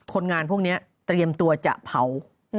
คนงานพวกนี้เตรียมตัวจะเผา